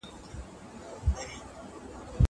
زه اجازه لرم چي کتاب وليکم!!